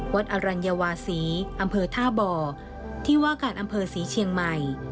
อรัญวาศีอำเภอท่าบ่อที่ว่าการอำเภอศรีเชียงใหม่